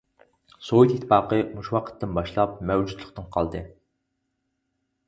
سوۋېت ئىتتىپاقى مۇشۇ ۋاقىتتىن باشلاپ مەۋجۇتلۇقتىن قالدى.